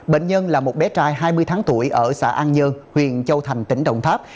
bệnh nhân là một bé trai hai mươi tháng tuổi ở xã an dơn huyện châu thành tỉnh đồng tháp